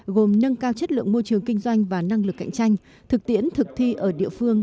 gồm nâng cao chất lượng môi trường kinh doanh và năng lực cạnh tranh thực tiễn thực thi ở địa phương